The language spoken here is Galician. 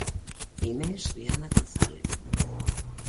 Inés Viana González.